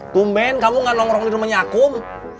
tumen kamu gak nongrong di rumahnya akum